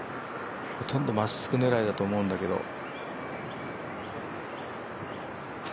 ほとんどまっすぐ狙いだと思うんだけど。